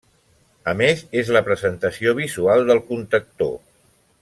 A més és la presentació visual del contactor.